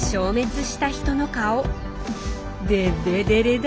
デッレデレだ。